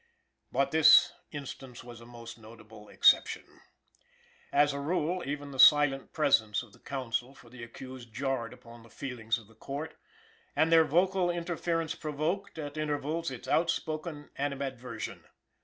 But this instance was a most notable exception. As a rule, even the silent presence of the counsel for the accused jarred upon the feelings of the Court, and their vocal interference provoked, at intervals, its outspoken animadversion.